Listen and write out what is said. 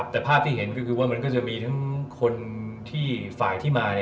แต่ภาพที่เห็นก็คือว่ามันก็จะมีทั้งคนที่ฝ่ายที่มา